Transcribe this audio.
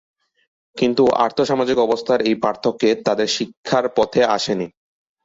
কিন্তু আর্থ -সামাজিক অবস্থার এই পার্থক্য তাদের শিক্ষার পথে আসেনি।